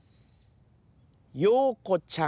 ようこちゃんへ。